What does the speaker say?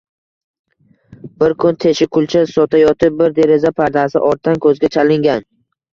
Bir kun teshikkulcha sotayotib bir deraza pardasi ortdan ko'zga chalingan